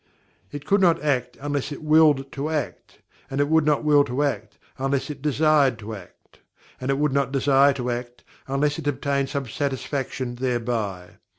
It could not act unless it Willed to Act; and it would not Will to Act, unless it Desired to Act and it would not Desire to Act unless it obtained some Satisfaction thereby.